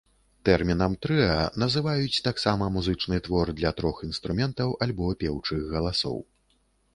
Тэрмінам трыа называюць таксама музычны твор для трох інструментаў альбо пеўчых галасоў.